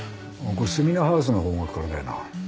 これセミナーハウスの方角からだよな？